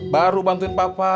baru bantuin papa